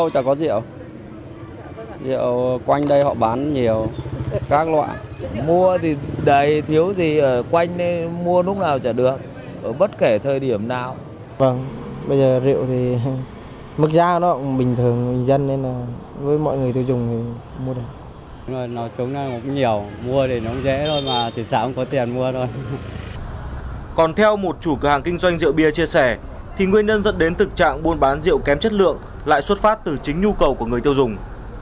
còn theo một chủ cửa hàng kinh doanh rượu bia chia sẻ thì nguyên nhân dẫn đến thực trạng buôn bán rượu kém chất lượng lại xuất phát từ chính nhu cầu của người tiêu dùng